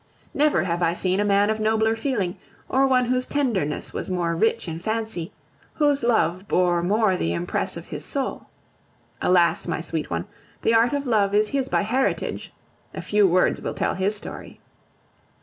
Never have I seen a man of nobler feeling, or one whose tenderness was more rich in fancy, whose love bore more the impress of his soul. Alas! my sweet one, the art of love is his by heritage. A few words will tell his story.